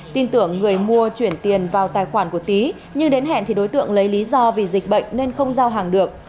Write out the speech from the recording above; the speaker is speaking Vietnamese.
tin tưởng người mua chuyển tiền vào tài khoản của tý nhưng đến hẹn thì đối tượng lấy lý do vì dịch bệnh nên không giao hàng được